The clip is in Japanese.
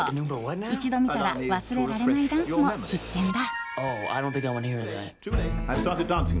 一度見たら忘れられないダンスも必見だ。